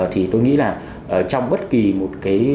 thì tôi nghĩ là trong bất kì một cái